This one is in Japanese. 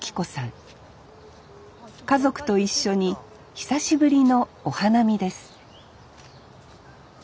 家族と一緒に久しぶりのお花見です